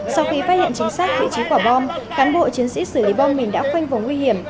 sau khi phát hiện chính sách để chiếm quả bom cán bộ chiến sĩ xử lý bom mìn đã khoanh vòng nguy hiểm